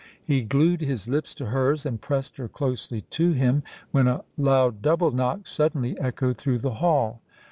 He glued his lips to hers, and pressed her closely to him, when a loud double knock suddenly echoed through the hall.